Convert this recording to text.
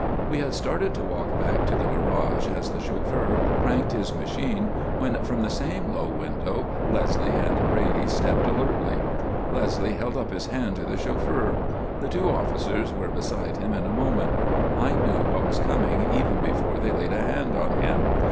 We had started to walk back to the garage as the chauffeur cranked his machine when from the same low window Leslie and Brady stepped alertly. Leslie held up his hand to the chauffeur. The two officers were beside him in a moment. I knew what was coming even before they laid a hand on him.